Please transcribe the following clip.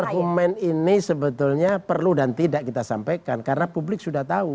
argumen ini sebetulnya perlu dan tidak kita sampaikan karena publik sudah tahu